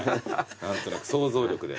何となく想像力で。